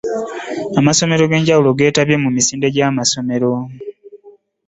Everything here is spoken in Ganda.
Amasomero ag'enjawulo geetabye mu misinde gy'amasomero.